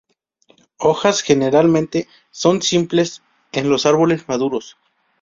Hojas generalmente son simples en los árboles maduros.